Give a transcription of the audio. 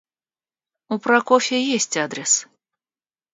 У Прокофья есть адрес.